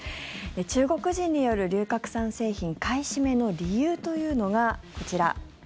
中国人による龍角散製品買い占めの理由というのが、こちら。